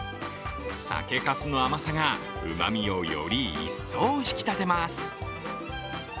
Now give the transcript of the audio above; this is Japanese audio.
酒かすの甘さがうまみをより一層引き立てます。